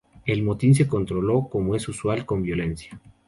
El motín se controló, como es usual, con violencia.